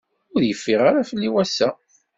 Ur yeffiɣ ara fell-i wass-a.